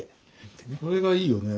これがいいよね。